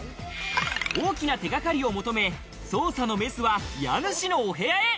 大きな手がかりを求め、捜査のメスは家主のお部屋へ。